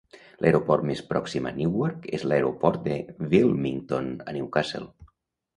L'aeroport més pròxim a Newark és l'Aeroport de Wilmington a New Castle.